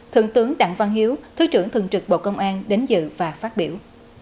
thượng tướng đặng văn hiếu thứ trưởng thường trực bộ công an đến dự và phát biểu